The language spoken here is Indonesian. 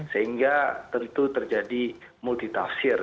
sehingga tentu terjadi multitafsir